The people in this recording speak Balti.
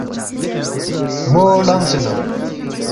مو لنگسے ننگ